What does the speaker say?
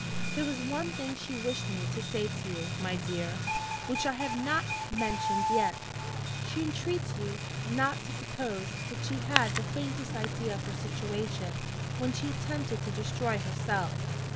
"There was one thing she wished me to say to you, my dear, which I have not mentioned yet. She entreats you not to suppose that she had the faintest idea of her situation when she attempted to destroy herself.